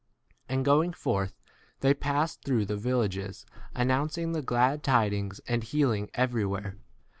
6 And going forth, they passed through the villages, announcing the glad tidings and healing every 7 where.